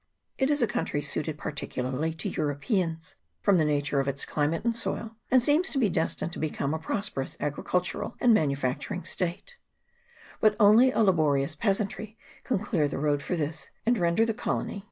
It is a country suited particularly to Europeans, from the nature of its climate and soil, and seems to be des tined to become a prosperous agricultural and manu facturing state ; but only a laborious peasantry can clear the road for this, and render the colony, in VOL.